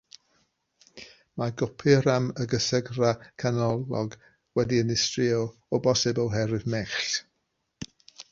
Mae “gopuram” y gysegrfa ganolog wedi'i ddinistrio o bosib oherwydd mellt.